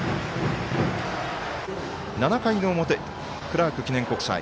７回の表、クラーク記念国際。